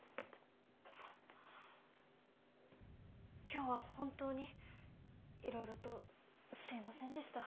今日は本当にいろいろとすいませんでした。